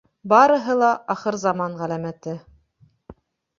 — Барыһы ла ахыр заман ғәләмәте...